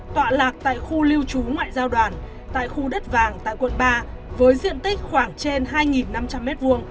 tọa lạc tại khu lưu trú ngoại giao đoàn tại khu đất vàng tại quận ba với diện tích khoảng trên hai năm trăm linh m hai